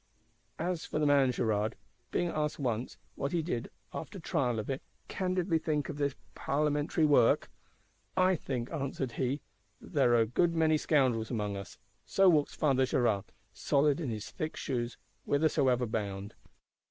As for the man Gerard, being asked once, what he did, after trial of it, candidly think of this Parlementary work,—'I think,' answered he, 'that there are a good many scoundrels among us.' so walks Father Gérard; solid in his thick shoes, whithersoever bound.